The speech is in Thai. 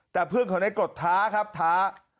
แต่เพื่อนของในกฎท้าครับท้า